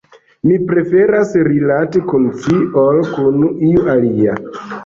mi preferas rilati kun ci, ol kun iu alia.